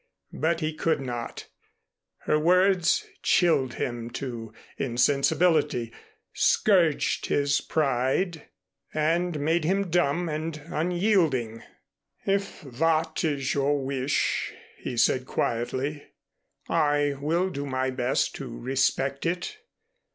But he could not. Her words chilled him to insensibility, scourged his pride and made him dumb and unyielding. "If that is your wish," he said quietly, "I will do my best to respect it.